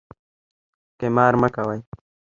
قمار مه کوئ